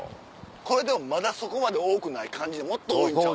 これでもまだそこまで多くない感じでもっと多いんちゃう？